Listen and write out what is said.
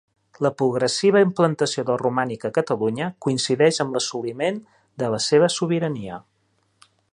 La progressiva implantació del romànic a Catalunya coincideix amb l'assoliment de la seva sobirania.